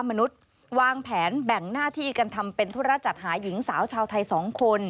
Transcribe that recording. มนุษย์วางแผนแบ่งหน้าที่กันทำเป็นธุระจัดหาหญิงสาวชาวไทย๒คน